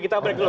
kita break dulu